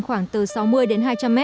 khoảng từ sáu mươi đến sáu mươi km